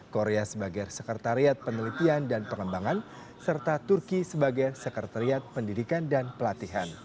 korea sebagai sekretariat penelitian dan pengembangan serta turki sebagai sekretariat pendidikan dan pelatihan